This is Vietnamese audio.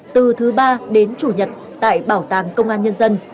từ thứ ba đến chủ nhật tại bảo tàng công an nhân dân